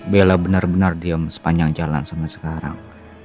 bella bener bener diem sepanjang jalan sampe sekarang